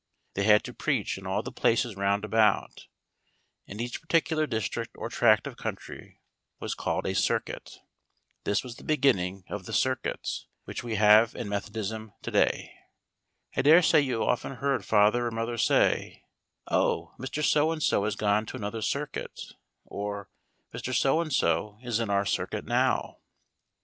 They had to preach in all the places round about, and each particular district or tract of country was called a "circuit." This was the beginning of the "circuits" which we have in Methodism to day. I dare say you have often heard father or mother say, "Oh, Mr. So and So has gone to another circuit;" or, "Mr. So and So is in our circuit now."